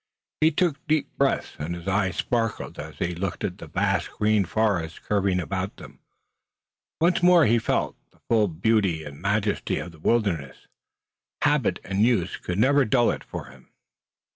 He took deep breaths, and his eyes sparkled as he looked at the vast green forest curving about them. Once more he felt to the full the beauty and majesty of the wilderness. Habit and use could never dull it for him.